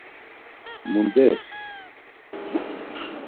Mundes?